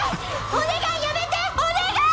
お願いやめてお願い！